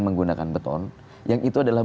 menggunakan beton yang itu adalah